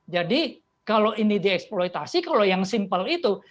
jadi kalau ini dieksploitasi kalau yang simpel itu